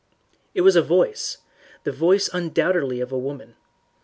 It was a voice the voice undoubtedly of a woman.